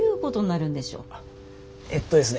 えっとですね